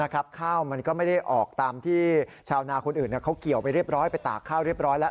ข้าวมันก็ไม่ได้ออกตามที่ชาวนาคนอื่นเขาเกี่ยวไปเรียบร้อยไปตากข้าวเรียบร้อยแล้ว